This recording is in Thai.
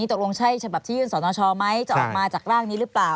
ตกลงใช่ฉบับที่ยื่นสนชไหมจะออกมาจากร่างนี้หรือเปล่า